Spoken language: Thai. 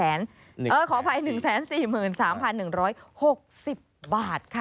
ขออภัย๑๔๓๑๖๐บาทค่ะ